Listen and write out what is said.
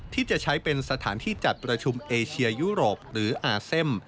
ที่จะใช้เป็นสถานที่จัดประชุมเอเชียยุโรปหรืออาเซม